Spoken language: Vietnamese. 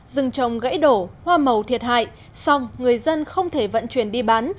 rừng trồng gãy đổ hoa màu thiệt hại xong người dân không thể vận chuyển đi bán